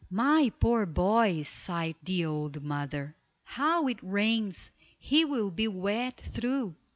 "My poor boy," sighed the old mother. "How it rains; he will be wet through.